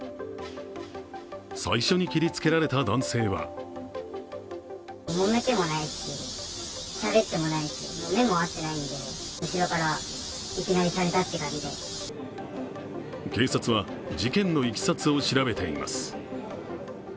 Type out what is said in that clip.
最初に切りつけられた男性は警察は事件のいきさつを調べています。